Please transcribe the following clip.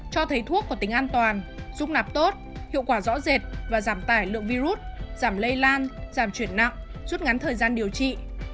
cho thấy thuốc có tính an toàn dung nạp tốt hiệu quả rõ rệt và giảm tải lượng virus giảm lây lan giảm chuyển nặng rút ngắn thời gian điều trị